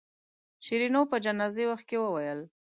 شیرینو په جنازې وخت کې وویل.